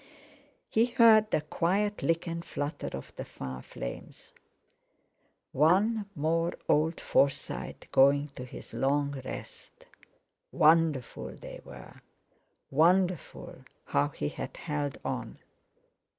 He heard the quiet lick and flutter of the fire flames. One more old Forsyte going to his long rest—wonderful, they were!—wonderful how he had held on!